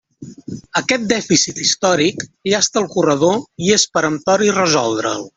Aquest dèficit històric llasta el corredor i és peremptori resoldre'l.